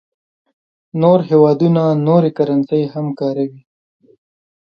نور هېوادونه نورې کرنسۍ هم کاروي.